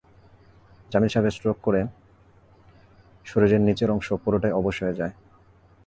জামিল সাহেবের স্ট্রোক করে শরীরের নিচের অংশ পুরোটাই অবশ হয়ে যায়।